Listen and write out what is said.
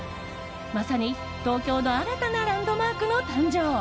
まさに東京の新たなランドマークの誕生。